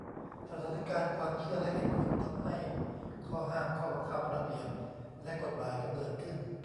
สถานการณ์ ความเชื่อ และเหตุผล ทำให้ข้อห้าม ข้อบังคับ ระเบียบ และกฎหมายกำเนิดขึ้น